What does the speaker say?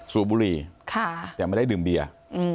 สูบบุหรี่แต่ไม่ได้ดื่มเบียร์